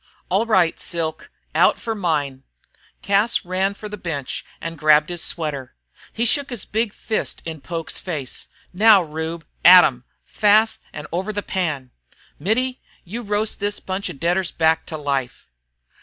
"All right, Silk, out for mine." Cas ran for the bench and grabbed his sweater. He shook his big fist in Poke's face. "Now, Rube, at 'em! Fast and over the pan! Mittie, you roast this bunch of deaders back to life."